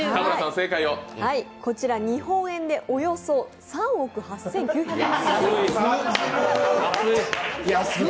こちら日本円でおよそ３億８９００万円。